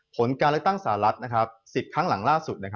ผลการเลือกตั้งสหรัฐ๑๐ครั้งหลังล่าสุด